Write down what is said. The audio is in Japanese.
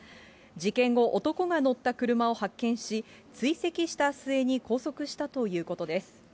事件後、男が乗った車を発見し、追跡した末に拘束したということです。